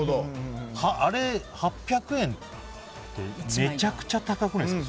あれ、８００円ってめちゃくちゃ高くないですか？